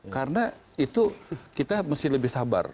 karena itu kita mesti lebih sabar